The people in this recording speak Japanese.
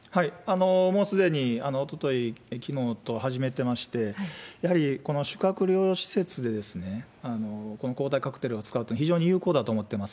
もうすでにおととい、きのうと始めてまして、やはりこの宿泊療養施設で、この抗体カクテルを使うって、非常に有効だと思っております。